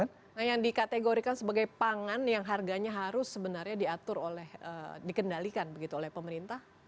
nah yang dikategorikan sebagai pangan yang harganya harus sebenarnya diatur oleh dikendalikan begitu oleh pemerintah